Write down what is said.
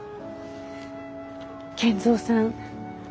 賢三さん